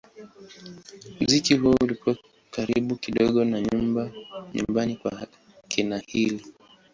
Muziki huo ulikuwa karibu kidogo na nyumbani kwa kina Hill.